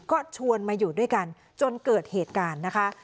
ก็ชวนมาอยู่ด้วยกันจนเกิดเหตุการณ์นะคะ